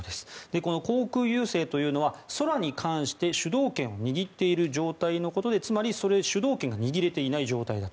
この航空優勢というのは空に関して主導権を握っている状態のことでつまり、今は主導権が握れていない状態だと。